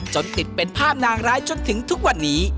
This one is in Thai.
จนติดเป็นภาพนางร้ายจนถึงทุกวันนี้